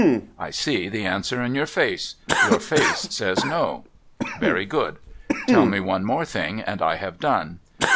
I see the answer in your face — your face says. No. Very good. Tell me one more thing, and I have done.